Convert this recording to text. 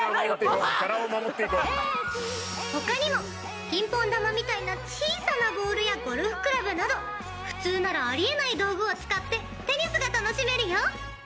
他にもピンポン球みたいな小さなボールやゴルフクラブなど普通ならあり得ない道具を使ってテニスが楽しめるよ！